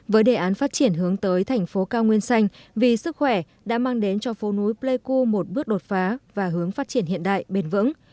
với đề án phát triển hướng tới thành phố cao nguyên xanh vì sức khỏe đã mang đến cho phố núi pleiku một bước đột phá và hướng phát triển hiện đại bền vững